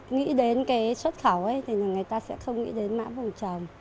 nghĩ đến xuất khẩu thì người ta sẽ không nghĩ đến mã vùng trồng